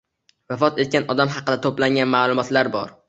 Vafot etgan odam haqida toʻplangan maʼlumotlar, bor.